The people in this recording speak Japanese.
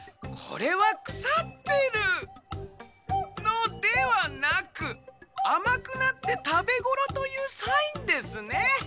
これはくさってるのではなくあまくなってたべごろというサインですね」。